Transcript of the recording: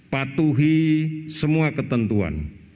patuhi semua ketentuan